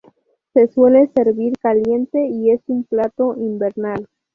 Se suele servir caliente y es un plato invernal.